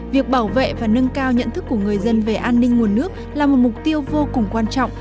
việc bảo vệ và nâng cao nhận thức của người dân về an ninh nguồn nước là một mục tiêu vô cùng quan trọng